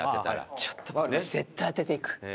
ちょっと絶対当てていく。